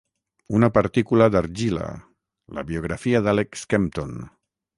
"Una partícula d'argila: la biografia d'Alec Skempton".